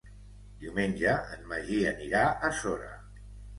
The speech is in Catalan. Diumenge en Magí anirà a Sora.